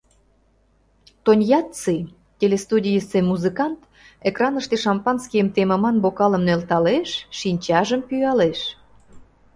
Тоньяцци, телестудийысе музыкант, экраныште шампанскийым темыман бокалым нӧлталеш, шинчажым пӱялеш...